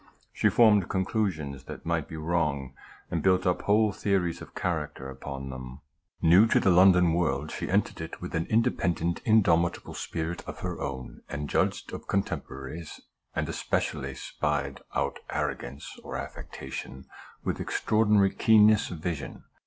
She formed conclusions that might be wrong, and built up whole theories of character upon them. 244 THE LAST SKETCH. New to the London world, she entered it with an independent, indomitable spirit of her own ; and judged of contemporaries, and especially spied out arrogance or affectation, with extraordinary keenness of vision.